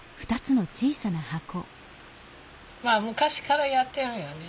まあ昔からやってるよね。